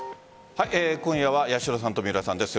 今夜は八代さんと三浦さんです。